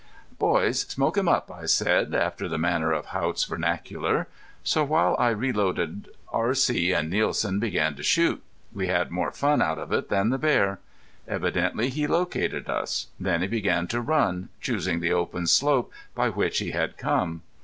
"Boys, smoke him up," I said, after the manner of Haught's vernacular. So while I reloaded R.C. and Nielsen began to shoot. We had more fun out of it than the bear. Evidently he located us. Then he began to run, choosing the open slope by which he had come.